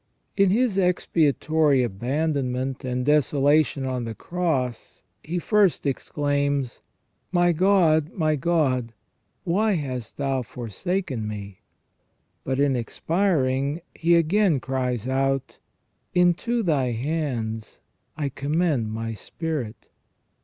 In his expiatory abandon ment and desolation on the cross. He first exclaims :My God, my God, why hast Thou forsaken me !" but, in expiring, he again cries out :" Into Thy hands I commend my spirit